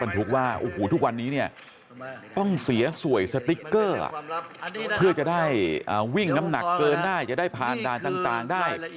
ต้องเสียสวยสติกเกอร์เพื่อจะได้วิ่งน้ำหนักเกินได้จะได้ผ่านด่านต่างได้